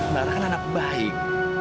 lara kan anak baik